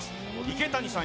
池谷さん